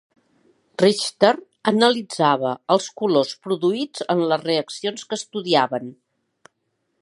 Richter analitzava els colors produïts en les reaccions que estudiaven.